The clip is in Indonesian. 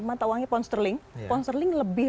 mata uangnya pons terling pons terling lebih